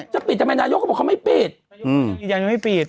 จะปิดทำไมนายก็บอกว่าเขาไม่ปิด